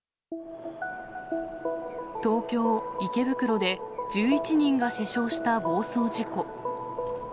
東京・池袋で１１人が死傷した暴走事故。